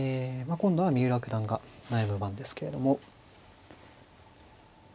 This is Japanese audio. あ今度は三浦九段が悩む番ですけれども。